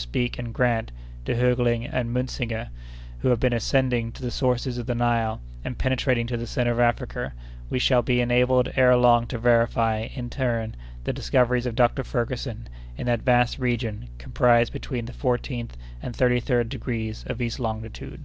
Speke and Grant, De Heuglin and Muntzinger, who have been ascending to the sources of the Nile, and penetrating to the centre of Africa, we shall be enabled ere long to verify, in turn, the discoveries of Dr. Ferguson in that vast region comprised between the fourteenth and thirty third degrees of east longitude.